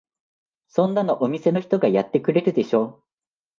そんなのお店の人がやってくれるでしょ。